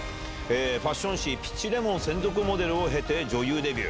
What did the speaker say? ファッション誌、ピチレモン専属モデルを経て、女優デビュー。